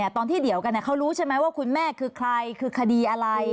ตอนที่เดียวกันเขารู้ใช่ไหมว่าคุณแม่คือใครคือคดีอะไร